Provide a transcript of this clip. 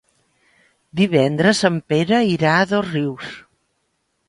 Divendres en Pere irà a Dosrius.